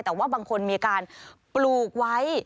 แต่ว่าบางคนมีการปลูกไว้